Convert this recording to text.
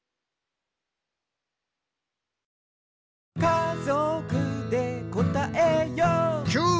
「かぞくでこたえよう」キュー！